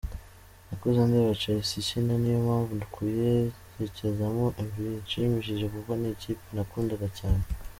Nakuze ndeba Chelsea ikina niyo mpamvu kuyerekezamo bishimishije kuko ni ikipe nakundaga cyane.